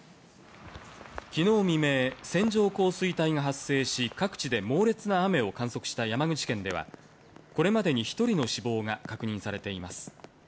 きのう未明、線状降水帯が発生し、各地で猛烈な雨を観測した山口県では、これまでに１人の死亡が確認されています。